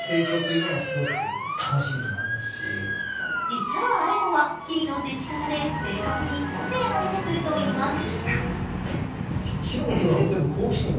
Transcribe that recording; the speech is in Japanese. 実はＡＩＢＯは、日々の接し方で性格に個性が出てくるといいます。